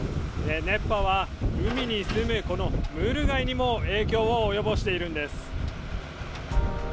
熱波は海に住むこのムール貝にも影響を及ぼしているんです。